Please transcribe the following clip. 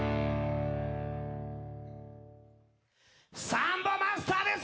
サンボマスターです。